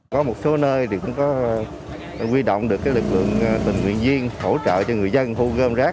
có một số nơi thì cũng có quy động được lực lượng tình nguyện viên hỗ trợ cho người dân thu gom rác